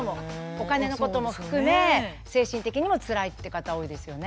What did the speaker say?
お金のことも含め精神的にもつらいっていう方多いですよね。